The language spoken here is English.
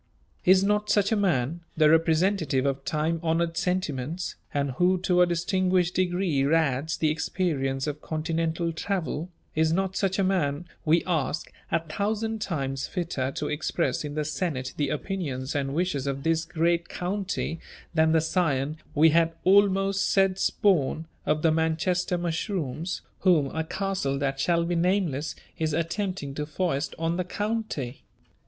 Is not such a man, the representative of time honoured sentiments, and who to a distinguished degree adds the experience of continental travel, is not such a man, we ask, a thousand times fitter to express in the Senate the opinions and wishes of this great county, than the scion, we had almost said spawn, of the Manchester mushrooms, whom a Castle that shall be nameless is attempting to foist on the county?